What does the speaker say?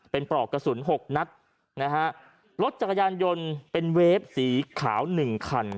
เป็นปลอกกระสุน๖นัดรถจักรยานยนต์เป็นเวฟสีขาว๑คัน